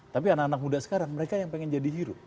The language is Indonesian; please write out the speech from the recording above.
tapi anak anak muda sekarang mereka yang pengen jadi hero